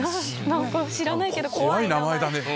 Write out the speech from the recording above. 知らないけど怖い名前。